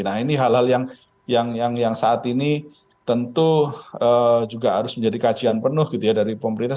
nah ini hal hal yang saat ini tentu juga harus menjadi kajian penuh gitu ya dari pemerintah